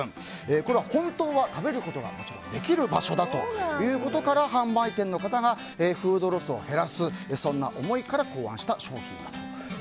これは本当は食べることができる場所だということから販売店の方がフードロスを減らすそんな思いから考案した商品だと。